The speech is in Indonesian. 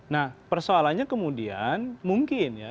nah persoalannya kemudian mungkin ya